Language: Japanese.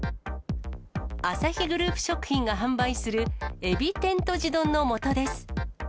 アサヒグループ食品が販売する海老天とじ丼の素です。